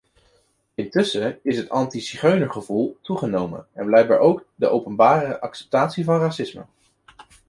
Intussen is het anti-zigeunergevoel toegenomen en blijkbaar ook de openbare acceptatie van racisme.